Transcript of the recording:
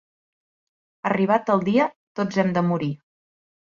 Arribat el dia tots hem de morir.